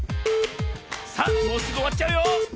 さあもうすぐおわっちゃうよ！